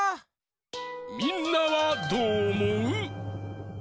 みんなはどうおもう？